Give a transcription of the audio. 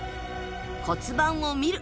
骨盤を見る！